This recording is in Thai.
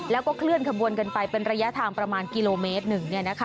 แล้วก็เคลื่อนขบวนกันไปเป็นระยะทางประมาณกิโลเมตรหนึ่ง